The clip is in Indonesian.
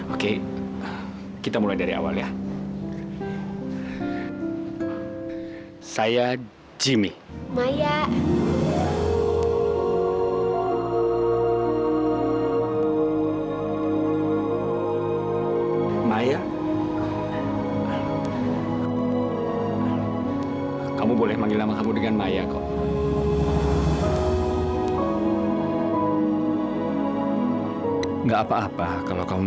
oke kita mulai dari awal ya